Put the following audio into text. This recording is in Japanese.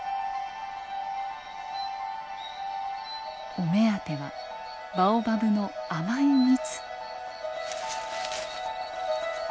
お目当てはバオバブの甘い蜜。